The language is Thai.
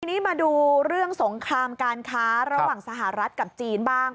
ทีนี้มาดูเรื่องสงครามการค้าระหว่างสหรัฐกับจีนบ้าง